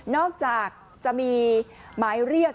อกจากจะมีหมายเรียก